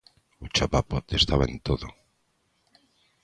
O chapapote estaba en todo.